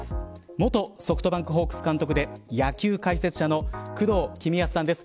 元ソフトバンクホークス監督で野球解説者の工藤公康さんです。